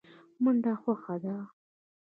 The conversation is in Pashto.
منډه خوښه ده.